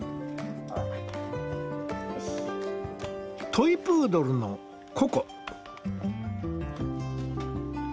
トイプードルのココ。